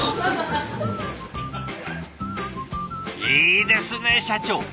いいですね社長。